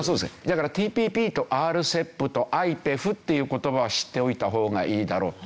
だからＴＰＰとＲＣＥＰとＩＰＥＦっていう言葉は知っておいた方がいいだろう。